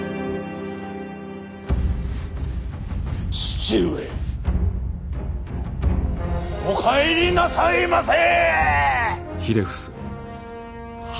父上お帰りなさいませ。